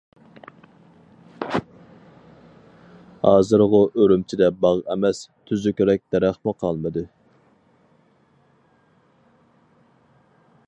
ھازىرغۇ ئۈرۈمچىدە باغ ئەمەس تۈزۈكرەك دەرەخمۇ قالمىدى.